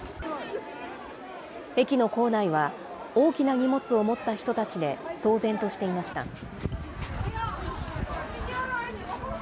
駅の構内は、大きな荷物を持った人たちで騒然としていました。